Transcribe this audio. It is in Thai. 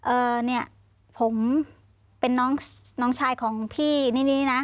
เอ่อเนี่ยผมเป็นน้องน้องชายของพี่นี่นะ